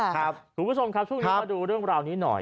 คุณผู้ชมครับช่วงนี้มาดูเรื่องราวนี้หน่อย